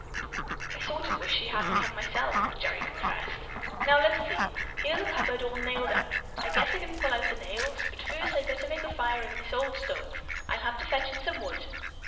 "I sort of wish she hadn't come, myself," Gerry confessed. "Now, let's see. Here's a cupboard all nailed up. I guess I can pull out the nails, but first I'd better make a fire in this old stove. I'll have to fetch in some wood."